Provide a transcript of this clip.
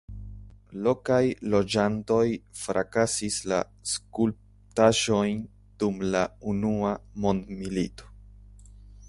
Lokaj loĝantoj frakasis la skulptaĵojn dum la Unua Mondmilito.